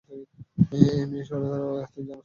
এই মেয়ে সরে দাঁড়া, তুই জানিস না আমি কে।